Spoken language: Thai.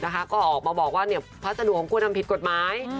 ก็ออกมาบอกว่าพัสดุของควรทำผิดกฎหมาย